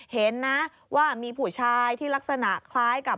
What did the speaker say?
เห็นนะว่ามีผู้ชายที่ลักษณะคล้ายกับ